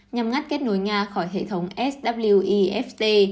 nhằm ngắt kết nối nga khỏi hệ thống swift